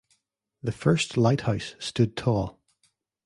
The first lighthouse stood tall.